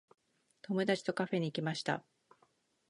友達とカフェに行きました。